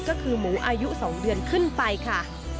ก็คือหมูอายุ๒เดือนขึ้นไปค่ะ